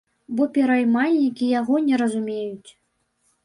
Бо пераймальнікі яго не разумеюць.